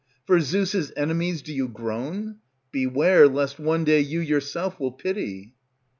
for Zeus' enemies Do you groan? Beware lest one day you yourself will pity.